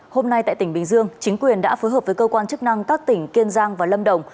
hôm nay tại tỉnh bình dương chính quyền đã phối hợp với cơ quan chức năng các tỉnh kiên giang và lâm đồng